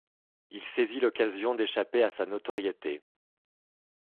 Il saisit l'occasion d'échapper à sa notoriété.